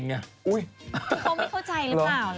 เขาไม่เข้าใจหรือเปล่า